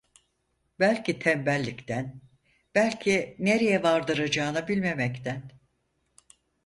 Belki tembellikten, belki nereye vardıracağını bilmemekten…